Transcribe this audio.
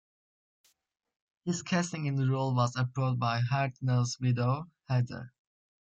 His casting in the role was approved by Hartnell's widow, Heather.